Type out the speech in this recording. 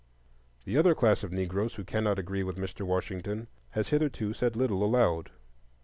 The other class of Negroes who cannot agree with Mr. Washington has hitherto said little aloud.